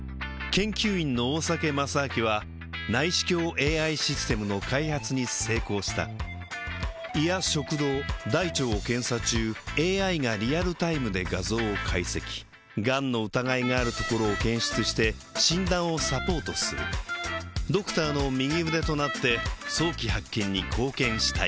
研究員の大酒正明は内視鏡ＡＩシステムの開発に成功した胃や食道大腸を検査中ＡＩがリアルタイムで画像を解析がんの疑いがあるところを検出して診断をサポートするドクターの右腕となって早期発見に貢献したい